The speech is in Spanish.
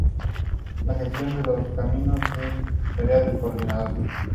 La gestión de los caminos es tarea del coordinador.